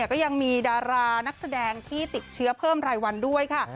ก็ยังมีดารานักแสดงที่ติดเชื้อเพิ่มรายวันด้วยค่ะ